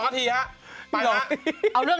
พี่หนุ่มก็รู้จัก